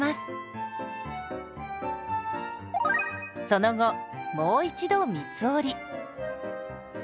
その後もう一度三つ折り。